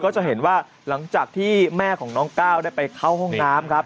จะเห็นว่าหลังจากที่แม่ของน้องก้าวได้ไปเข้าห้องน้ำครับ